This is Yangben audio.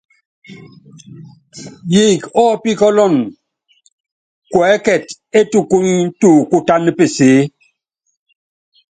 Yiik ɔ́píkɔ́lɔn kuɛ́kɛt é tubuny tuukútán pesée.